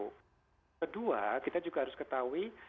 kedua kita juga harus ketahui